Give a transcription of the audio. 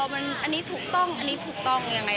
อันนี้ถูกต้องอันนี้ถูกต้องยังไง